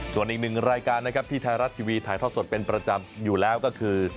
ส่วนอีกหนึ่งรายการนะครับที่ไทยรัฐทีวีถ่ายทอดสดเป็นประจำอยู่แล้วก็คือ